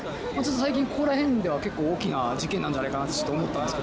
最近、ここら辺では結構大きな事件なんじゃないかなって思ったんですけ